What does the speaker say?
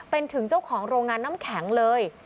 เป็นถึงเจ้าของโรงงานน้ำแข็งเลย